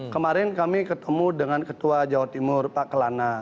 kemarin kami ketemu dengan ketua jawa timur pak kelana